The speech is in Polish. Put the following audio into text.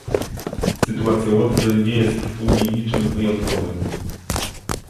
Sytuacja Łotwy nie jest w Unii niczym wyjątkowym